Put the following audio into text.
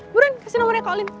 buruan kasih nomornya call in